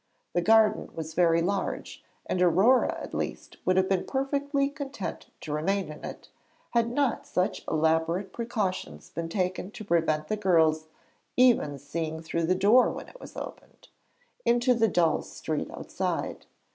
The garden was very large, and Aurore at least would have been perfectly content to remain in it, had not such elaborate precautions been taken to prevent the girls even seeing through the door when it was opened, into the dull street outside.